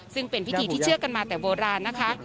ซึ่งเป็นพิธีที่เชื่อกันมาแต่โบราณนะคะ